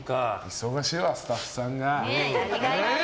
忙しいわ、スタッフさんが。